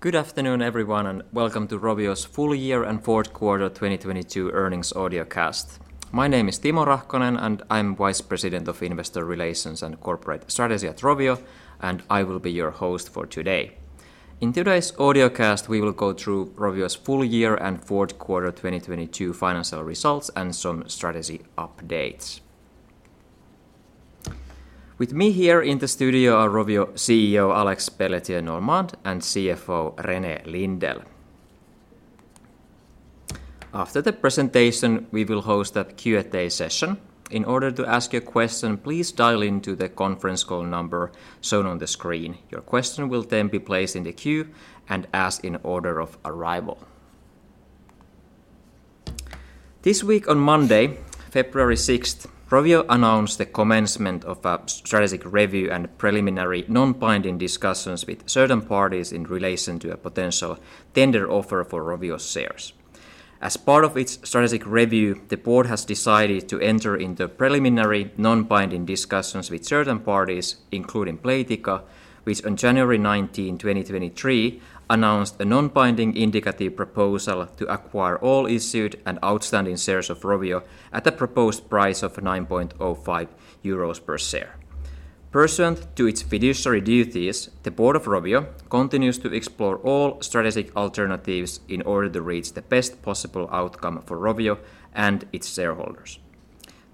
Good afternoon, everyone, and welcome to Rovio's full year and fourth quarter 2022 earnings audio cast. My name is Timo Rahkonen, I'm Vice President of Investor Relations and Corporate Strategy at Rovio, and I will be your host for today. In today's audio cast, we will go through Rovio's full year and fourth quarter 2022 financial results and some strategy updates. With me here in the studio are Rovio CEO Alex Pelletier-Normand and CFO René Lindell. After the presentation, we will host a Q&A session. In order to ask your question, please dial into the conference call number shown on the screen. Your question will be placed in the queue and asked in order of arrival. This week, on Monday, February 6th, Rovio announced the commencement of a strategic review and preliminary non-binding discussions with certain parties in relation to a potential tender offer for Rovio's shares. As part of its strategic review, the board has decided to enter into preliminary non-binding discussions with certain parties, including Playtika, which on January 19, 2023, announced a non-binding indicative proposal to acquire all issued and outstanding shares of Rovio at a proposed price of 9.05 euros per share. Pursuant to its fiduciary duties, the board of Rovio continues to explore all strategic alternatives in order to reach the best possible outcome for Rovio and its shareholders.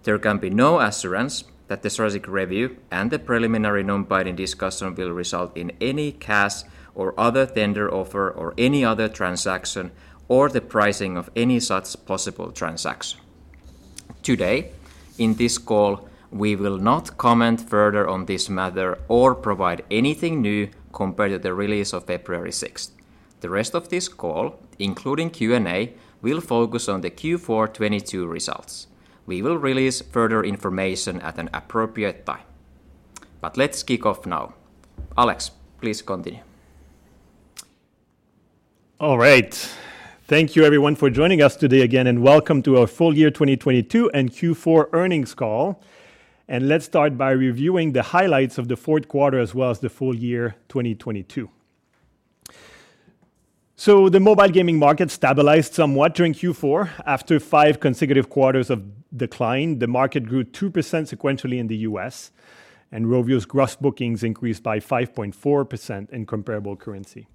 There can be no assurance that the strategic review and the preliminary non-binding discussion will result in any cash or other tender offer, or any other transaction, or the pricing of any such possible transaction. Today, in this call, we will not comment further on this matter or provide anything new compared to the release of February 6. The rest of this call, including Q&A, will focus on the Q4 2022 results. We will release further information at an appropriate time. Let's kick off now. Alex, please continue. All right. Thank you everyone for joining us today again, welcome to our full year 2022 and Q4 earnings call. Let's start by reviewing the highlights of the fourth quarter as well as the full year 2022. The mobile gaming market stabilized somewhat during Q4 after five consecutive quarters of decline. The market grew 2% sequentially in the U.S., Rovio's gross bookings increased by 5.4% in comparable currency.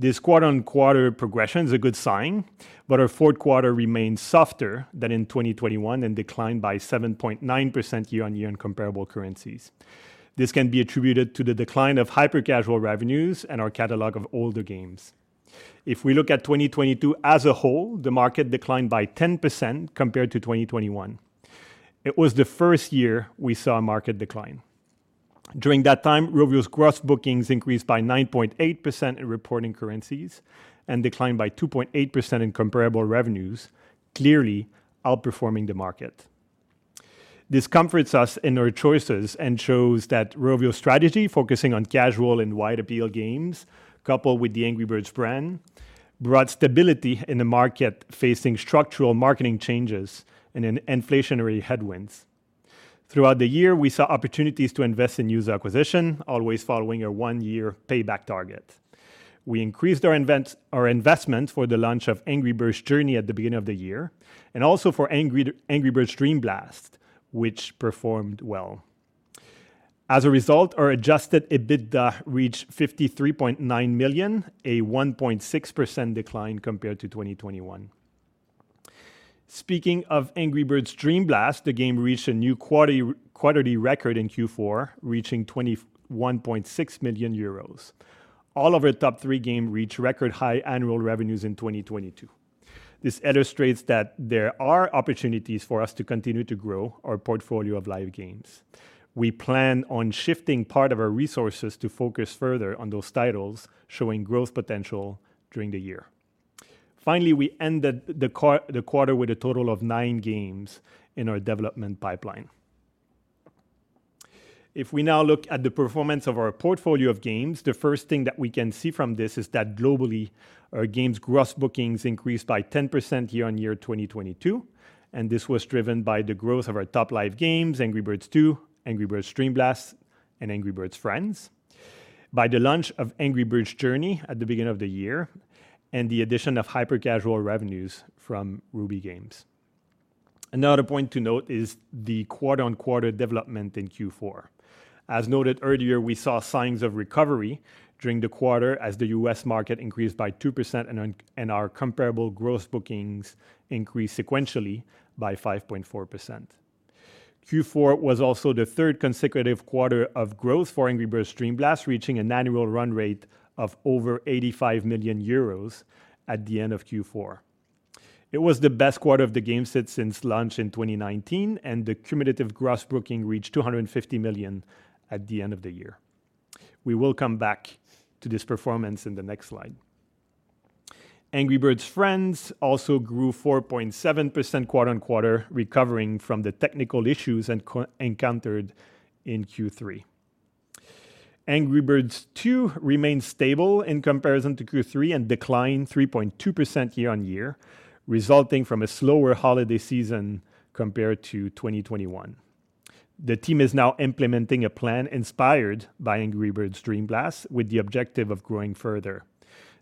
This quarter-on-quarter progression is a good sign, our fourth quarter remained softer than in 2021 and declined by 7.9% year-on-year in comparable currencies. This can be attributed to the decline of hyper-casual revenues and our catalog of older games. If we look at 2022 as a whole, the market declined by 10% compared to 2021. It was the first year we saw a market decline. During that time, Rovio's gross bookings increased by 9.8% in reporting currencies and declined by 2.8% in comparable revenues, clearly outperforming the market. This comforts us in our choices and shows that Rovio's strategy focusing on casual and wide appeal games, coupled with the Angry Birds brand, brought stability in the market facing structural marketing changes and in inflationary headwinds. Throughout the year, we saw opportunities to invest in user acquisition, always following a one-year payback target. We increased our investment for the launch of Angry Birds Journey at the beginning of the year, and also for Angry Birds Dream Blast, which performed well. As a result, our adjusted EBITDA reached 53.9 million, a 1.6% decline compared to 2021. Speaking of Angry Birds Dream Blast, the game reached a new quarterly record in Q4, reaching 21.6 million euros. All of our top three game reached record high annual revenues in 2022. This illustrates that there are opportunities for us to continue to grow our portfolio of live games. We plan on shifting part of our resources to focus further on those titles showing growth potential during the year. Finally, we ended the quarter with a total of nine games in our development pipeline. If we now look at the performance of our portfolio of games, the first thing that we can see from this is that globally our games gross bookings increased by 10% year-on-year 2022. This was driven by the growth of our top live games, Angry Birds 2, Angry Birds Dream Blast, and Angry Birds Friends, by the launch of Angry Birds Journey at the beginning of the year, and the addition of hyper-casual revenues from Ruby Games. Another point to note is the quarter-on-quarter development in Q4. As noted earlier, we saw signs of recovery during the quarter as the U.S. market increased by 2% and our comparable gross bookings increased sequentially by 5.4%. Q4 was also the third consecutive quarter of growth for Angry Birds Dream Blast, reaching an annual run rate of over 85 million euros at the end of Q4. It was the best quarter of the game set since launch in 2019, and the cumulative gross booking reached 250 million at the end of the year. We will come back to this performance in the next slide. Angry Birds Friends also grew 4.7% quarter-on-quarter, recovering from the technical issues encountered in Q3. Angry Birds 2 remained stable in comparison to Q3 and declined 3.2% year-on-year, resulting from a slower holiday season compared to 2021. The team is now implementing a plan inspired by Angry Birds Dream Blast with the objective of growing further.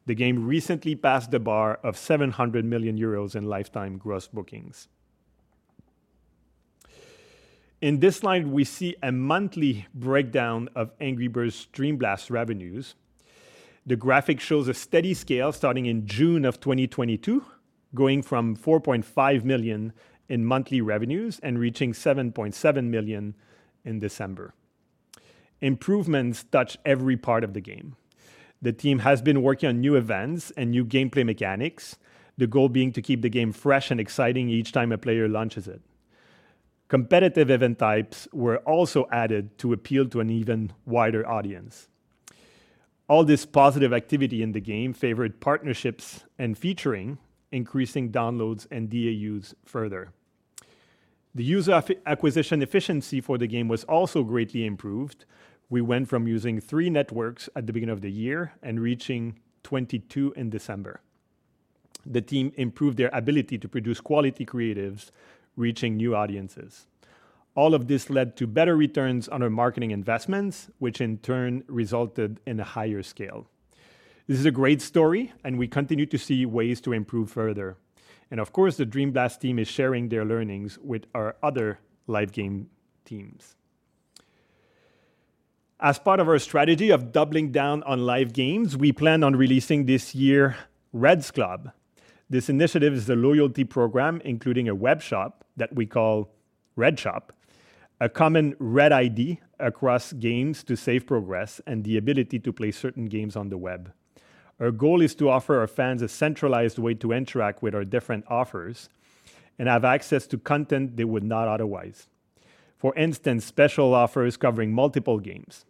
The game recently passed the bar of 700 million euros in lifetime gross bookings. In this slide, we see a monthly breakdown of Angry Birds Dream Blast revenues. The graphic shows a steady scale starting in June of 2022, going from 4.5 million in monthly revenues and reaching 7.7 million in December. Improvements touch every part of the game. The team has been working on new events and new gameplay mechanics, the goal being to keep the game fresh and exciting each time a player launches it. Competitive event types were also added to appeal to an even wider audience. All this positive activity in the game favored partnerships and featuring increasing downloads and DAUs further. The user acquisition efficiency for the game was also greatly improved. We went from using three networks at the beginning of the year and reaching in December 22. The team improved their ability to produce quality creatives, reaching new audiences. All of this led to better returns on our marketing investments, which in turn resulted in a higher scale. This is a great story, and we continue to see ways to improve further. Of course, the Dream Blast team is sharing their learnings with our other live game teams. As part of our strategy of doubling down on live games, we plan on releasing this year Red's Club. This initiative is a loyalty program, including a web shop that we call Red Shop, a common Red ID across games to save progress, and the ability to play certain games on the web. Our goal is to offer our fans a centralized way to interact with our different offers and have access to content they would not otherwise. For instance, special offers covering multiple games.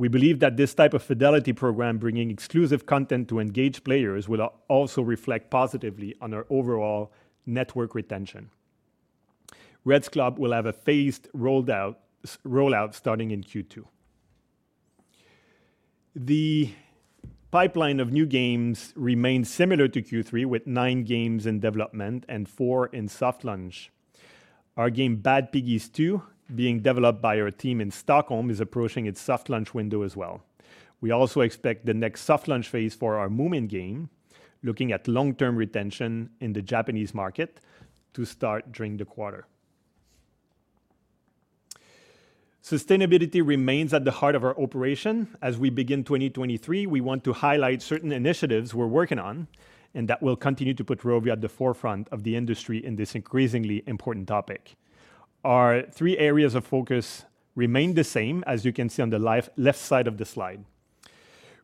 We believe that this type of fidelity program bringing exclusive content to engaged players will also reflect positively on our overall network retention. Red's Club will have a phased rollout starting in Q2. The pipeline of new games remains similar to Q3, with nine games in development and four in soft launch. Our game Bad Piggies 2, being developed by our team in Stockholm, is approaching its soft launch window as well. We also expect the next soft launch phase for our Moomin game, looking at long-term retention in the Japanese market to start during the quarter. Sustainability remains at the heart of our operation. As we begin 2023, we want to highlight certain initiatives we're working on and that will continue to put Rovio at the forefront of the industry in this increasingly important topic. Our three areas of focus remain the same, as you can see on the left side of the slide.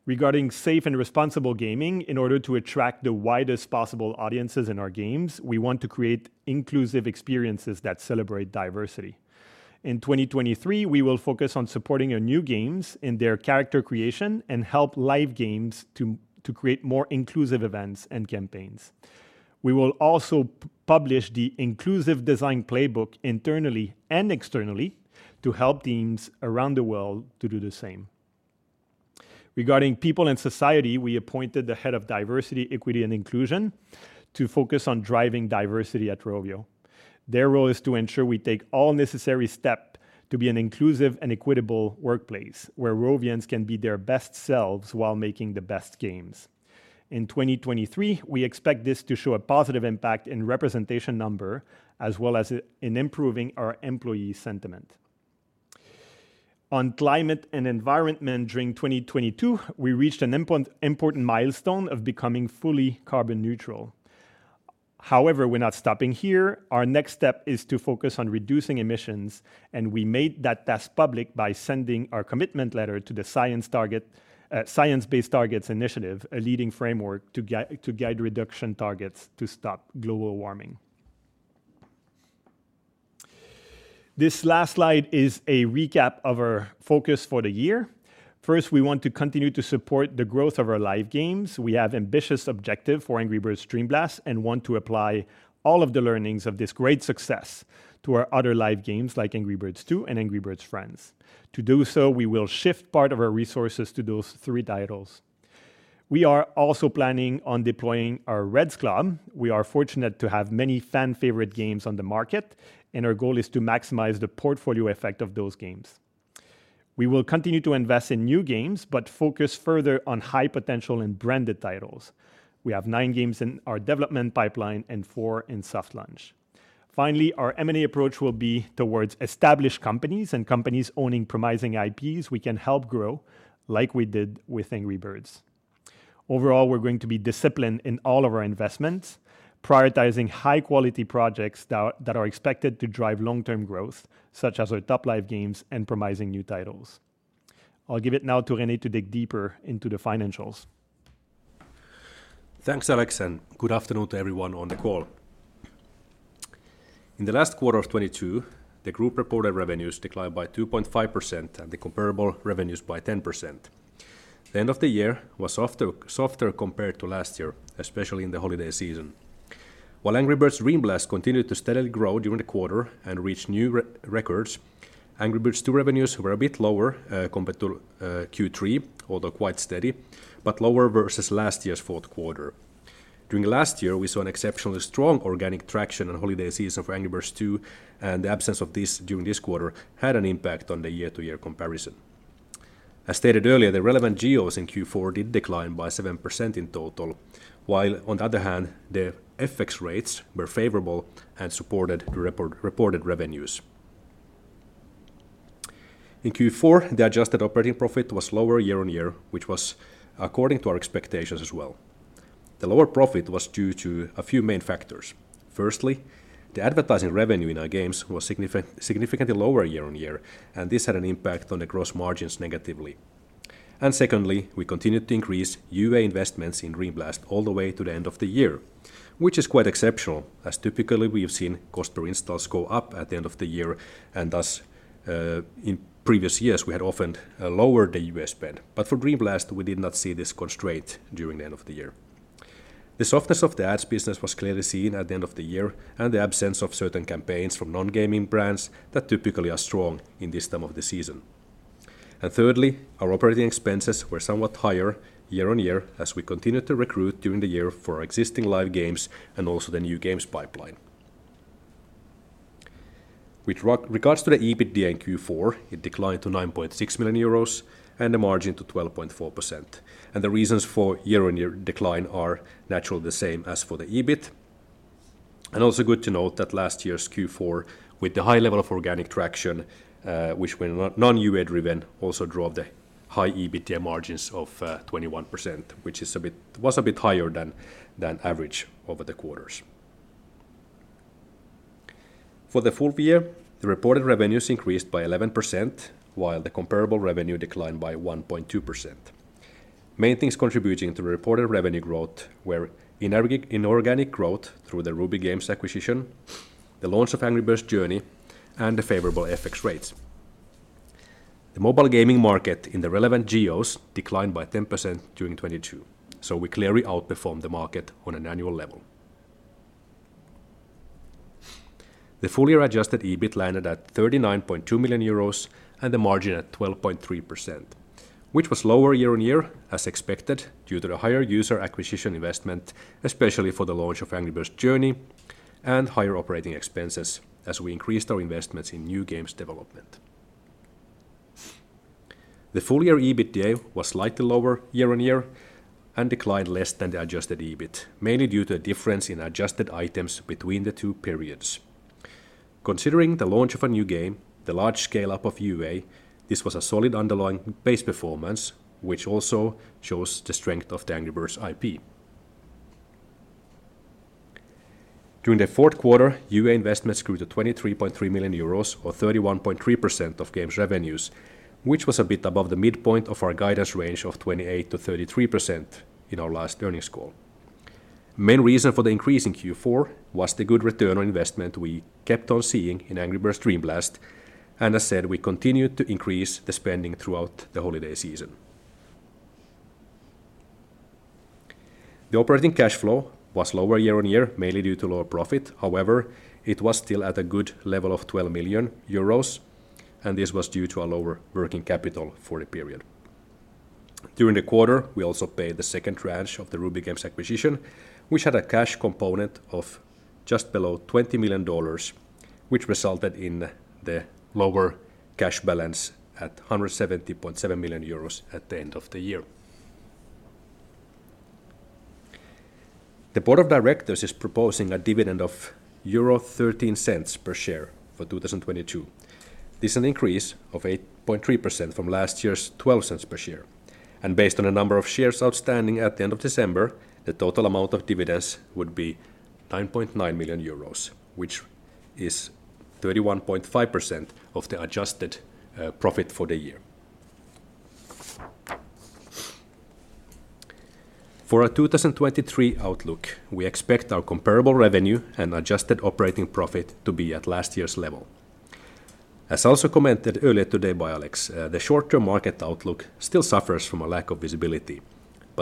Regarding safe and responsible gaming, in order to attract the widest possible audiences in our games, we want to create inclusive experiences that celebrate diversity. In 2023, we will focus on supporting our new games in their character creation and help live games to create more inclusive events and campaigns. We will also publish the inclusive design Playbook internally and externally to help teams around the world to do the same. Regarding people and society, we appointed the head of diversity, equity, and inclusion to focus on driving diversity at Rovio. Their role is to ensure we take all necessary step to be an inclusive and equitable workplace where Rovians can be their best selves while making the best games. In 2023, we expect this to show a positive impact in representation number as well as in improving our employee sentiment. On climate and environment during 2022, we reached an important milestone of becoming fully carbon neutral. However, we're not stopping here. Our next step is to focus on reducing emissions, and we made that task public by sending our commitment letter to the Science Based Targets initiative, a leading framework to guide reduction targets to stop global warming. This last slide is a recap of our focus for the year. First, we want to continue to support the growth of our live games. We have ambitious objective for Angry Birds Dream Blast and want to apply all of the learnings of this great success to our other live games like Angry Birds 2 and Angry Birds Friends. To do so, we will shift part of our resources to those three titles. We are also planning on deploying our Red's Club. We are fortunate to have many fan favorite games on the market, and our goal is to maximize the portfolio effect of those games. We will continue to invest in new games but focus further on high potential and branded titles. We have nine games in our development pipeline and four in soft launch. Finally, our M&A approach will be towards established companies and companies owning promising IPs we can help grow, like we did with Angry Birds. Overall, we're going to be disciplined in all of our investments, prioritizing high-quality projects that are expected to drive long-term growth, such as our top live games and promising new titles. I'll give it now to René to dig deeper into the financials. Thanks, Alex. Good afternoon to everyone on the call. In the last Q4 of 2022, the group reported revenues declined by 2.5% and the comparable revenues by 10%. The end of the year was softer compared to last year, especially in the holiday season. While Angry Birds Dream Blast continued to steadily grow during the quarter and reach new records, Angry Birds 2 revenues were a bit lower compared to Q3, although quite steady, but lower versus last year's Q4. During last year, we saw an exceptionally strong organic traction on holiday season for Angry Birds 2. The absence of this during this quarter had an impact on the year-to-year comparison. As stated earlier, the relevant geos in Q4 did decline by 7% in total, while on the other hand, the FX rates were favorable and supported the reported revenues. In Q4, the adjusted operating profit was lower year-on-year, which was according to our expectations as well. The lower profit was due to a few main factors. Firstly, the advertising revenue in our games was significantly lower year-on-year. This had an impact on the gross margins negatively. Secondly, we continued to increase UA investments in Dream Blast all the way to the end of the year, which is quite exceptional, as typically, we have seen cost per installs go up at the end of the year. Thus, in previous years, we had often lowered the UA spend. For Dream Blast, we did not see this constraint during the end of the year. The softness of the ads business was clearly seen at the end of the year, and the absence of certain campaigns from non-gaming brands that typically are strong in this time of the season. Thirdly, our operating expenses were somewhat higher year-on-year as we continued to recruit during the year for our existing live games and also the new games pipeline. With regards to the EBITDA in Q4, it declined to 9.6 million euros and the margin to 12.4%. The reasons for year-on-year decline are naturally the same as for the EBIT. Also good to note that last year's Q4, with the high level of organic traction, which were non-UA-driven, also drove the high EBITDA margins of 21%, which is a bit higher than average over the quarters. For the full year, the reported revenues increased by 11%, while the comparable revenue declined by 1.2%. Main things contributing to the reported revenue growth were inorganic growth through the Ruby Games acquisition, the launch of Angry Birds Journey, and the favorable FX rates. The mobile gaming market in the relevant geos declined by 10% during 2022. We clearly outperformed the market on an annual level. The full year adjusted EBIT landed at 39.2 million euros and the margin at 12.3%, which was lower year-on-year, as expected, due to the higher user acquisition investment, especially for the launch of Angry Birds Journey, and higher operating expenses as we increased our investments in new games development. The full year EBITDA was slightly lower year-on-year and declined less than the adjusted EBIT, mainly due to a difference in adjusted items between the two periods. Considering the launch of a new game, the large scale-up of UA, this was a solid underlying base performance, which also shows the strength of the Angry Birds IP. During the fourth quarter, UA investments grew to 23.3 million euros or 31.3% of games revenues, which was a bit above the midpoint of our guidance range of 28%-33% in our last earnings call. Main reason for the increase in Q4 was the good return on investment we kept on seeing in Angry Birds Dream Blast, and as said, we continued to increase the spending throughout the holiday season. The operating cash flow was lower year-on-year, mainly due to lower profit. However, it was still at a good level of 12 million euros, and this was due to a lower working capital for the period. During the quarter, we also paid the second tranche of the Ruby Games acquisition, which had a cash component of just below $20 million, which resulted in the lower cash balance at 170.7 million euros at the end of the year. The board of directors is proposing a dividend of 0.13 per share for 2022. This is an increase of 8.3% from last year's 0.12 per share. Based on the number of shares outstanding at the end of December, the total amount of dividends would be 9.9 million euros, which is 31.5% of the adjusted profit for the year. For our 2023 outlook, we expect our comparable revenue and adjusted operating profit to be at last year's level. As also commented earlier today by Alex, the short-term market outlook still suffers from a lack of visibility.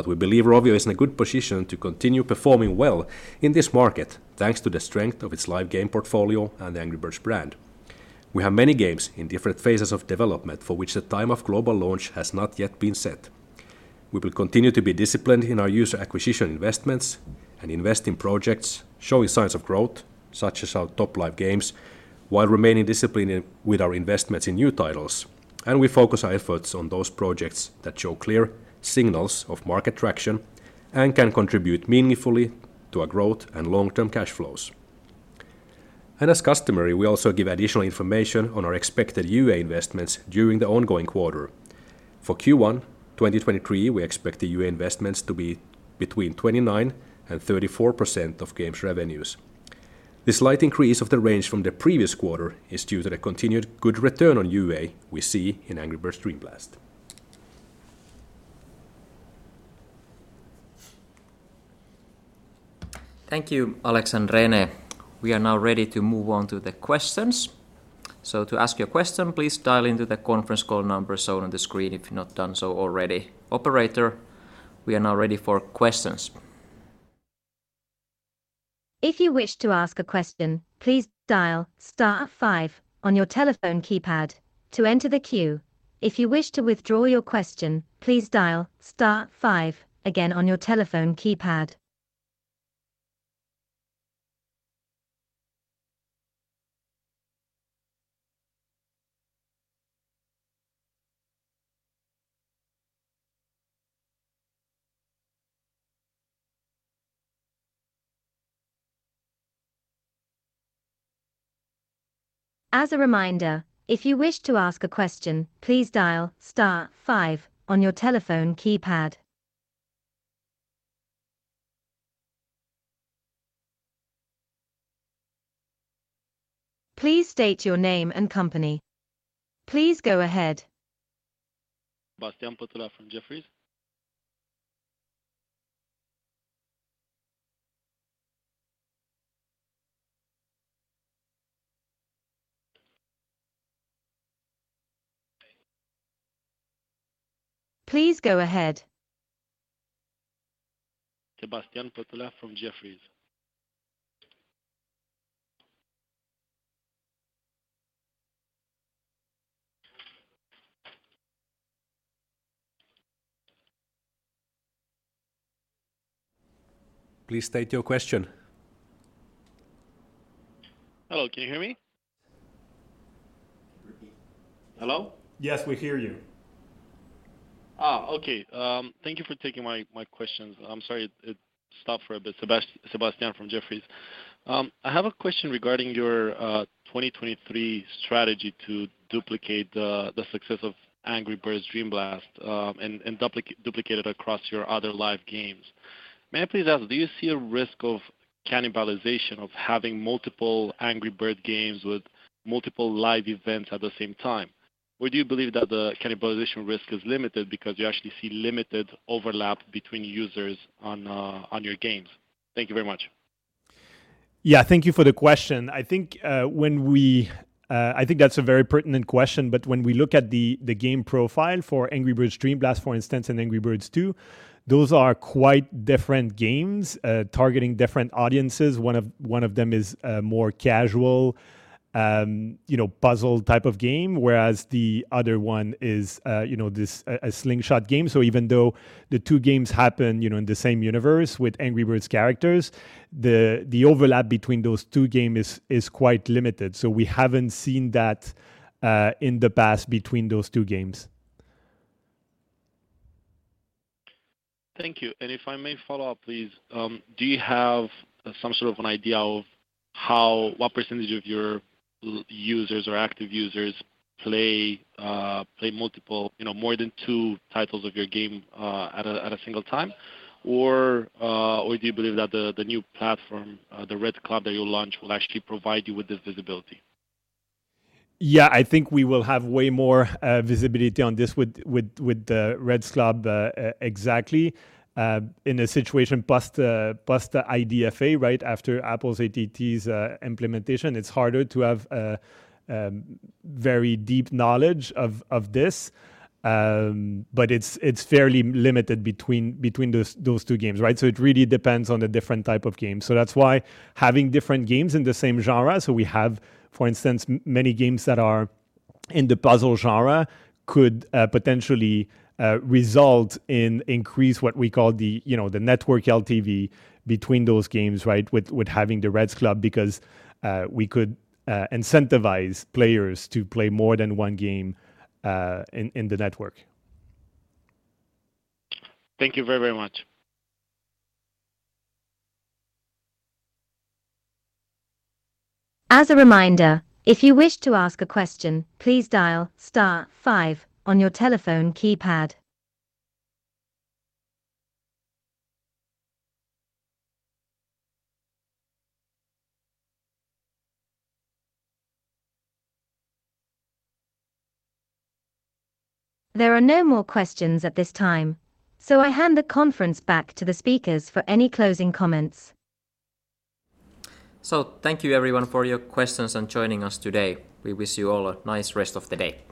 We believe Rovio is in a good position to continue performing well in this market, thanks to the strength of its live game portfolio and the Angry Birds brand. We have many games in different phases of development for which the time of global launch has not yet been set. We will continue to be disciplined in our user acquisition investments and invest in projects showing signs of growth, such as our top live games, while remaining disciplined with our investments in new titles. We focus our efforts on those projects that show clear signals of market traction and can contribute meaningfully to our growth and long-term cash flows. As customary, we also give additional information on our expected UA investments during the ongoing quarter. For Q1 2023, we expect the UA investments to be between 29% and 34% of games revenues. This slight increase of the range from the previous quarter is due to the continued good return on UA we see in Angry Birds Dream Blast. Thank you, Alex and René. We are now ready to move on to the questions. To ask your question, please dial into the conference call number shown on the screen if you've not done so already. Operator, we are now ready for questions. If you wish to ask a question, please dial star five on your telephone keypad to enter the queue. If you wish to withdraw your question, please dial star five again on your telephone keypad. As a reminder, if you wish to ask a question, please dial star five on your telephone keypad. Please state your name and company. Please go ahead. Sebastian Patulea from Jefferies. Please go ahead. Sebastian Patulea from Jefferies. Please state your question. Hello. Can you hear me? Hello? Yes, we hear you. Okay. Thank you for taking my questions. I'm sorry it stopped for a bit. Sebastian from Jefferies. I have a question regarding your 2023 strategy to duplicate the success of Angry Birds Dream Blast and duplicate it across your other live games. May I please ask, do you see a risk of cannibalization of having multiple Angry Bird games with multiple live events at the same time? Do you believe that the cannibalization risk is limited because you actually see limited overlap between users on your games? Thank you very much. Yeah. Thank you for the question. I think that's a very pertinent question. When we look at the game profile for Angry Birds Dream Blast, for instance, and Angry Birds 2, those are quite different games, targeting different audiences. One of them is more casual, you know, puzzle type of game, whereas the other one is, you know, this, a slingshot game. Even though the two games happen, you know, in the same universe with Angry Birds characters, the overlap between those two games is quite limited. We haven't seen that in the past between those two games. Thank you. If I may follow up, please. Do you have some sort of an idea of what percentage of your users or active users play multiple, you know, more than two titles of your game at a single time? Or do you believe that the new platform, the Red's Club that you'll launch will actually provide you with this visibility? Yeah, I think we will have way more visibility on this with the Red's Club exactly. In a situation post the IDFA, right, after Apple's ATT's implementation, it's harder to have a very deep knowledge of this. But it's fairly limited between those two games, right? It really depends on the different type of games. That's why having different games in the same genre, so we have, for instance, many games that are in the puzzle genre could potentially result in increased what we call the, you know, the network LTV between those games, right? With having the Red's Club because we could incentivize players to play more than one game in the network. Thank you very, very much. As a reminder, if you wish to ask a question, please dial star five on your telephone keypad. There are no more questions at this time. I hand the conference back to the speakers for any closing comments. Thank you everyone for your questions and joining us today. We wish you all a nice rest of the day.